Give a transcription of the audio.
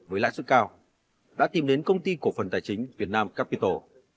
với lãi suất cao đã tìm đến công ty cổ phần tài chính việt nam capital